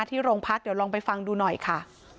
ที่โรงพักเดี๋ยวลองไปฟังดูหน่อยค่ะ